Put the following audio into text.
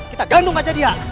kita gantung aja dia